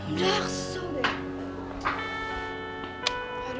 udah kesel deh